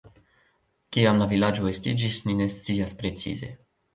Kiam la vilaĝo estiĝis, ni ne scias precize.